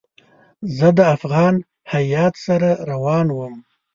زه د افغان هیات سره روان وم.